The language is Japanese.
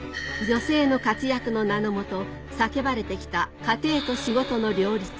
「女性の活躍」の名の下叫ばれて来た家庭と仕事の両立